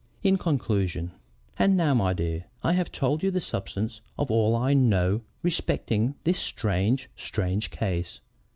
IN CONCLUSION "And now, my dear , I have told you the substance of all I know respecting this strange, strange case.